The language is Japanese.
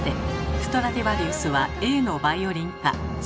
ストラディヴァリウスはＡのバイオリンです！